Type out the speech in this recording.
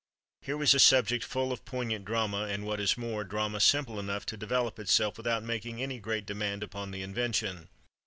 Here was a subject full of poignant drama, and what is more, drama simple enough to develop itself without making any great demand upon the invention.